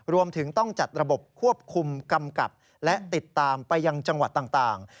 รวมถึงต้องจัดระบบควบคุมกำกับและติดตามไปยังจังหวัดต่าง